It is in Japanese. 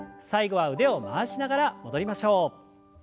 最後は腕を回しながら戻りましょう。